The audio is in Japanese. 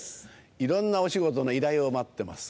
いろんなお仕事の依頼を待ってます